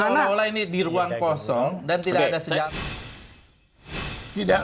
seolah olah ini di ruang kosong dan tidak ada senjata